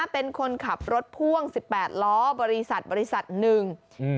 เป็นคนขับรถพ่วงสิบแปดล้อบริษัทบริษัทหนึ่งอืม